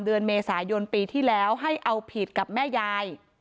เดือนเมษายนปีที่แล้วให้เอาผิดกับแม่ยาย